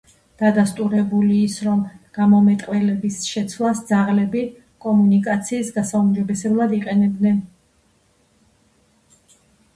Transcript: თუმცა, აქამდე არ იყო მეცნიერულად დადასტურებული ის, რომ გამომეტყველების შეცვლას ძაღლები კომუნიკაციის გასაუმჯობესებლად იყენებდნენ.